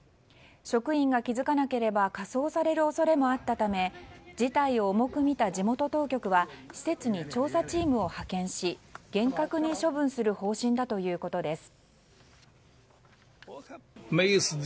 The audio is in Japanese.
職員が気づかなければ火葬される恐れもあったため事態を重く見た地元当局は施設に調査チームを派遣し厳格に処分する方針だということです。